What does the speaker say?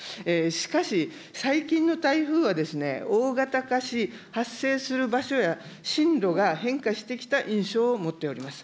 しかし、最近の台風はですね、大型化し、発生する場所や進路が変化してきた印象を持っております。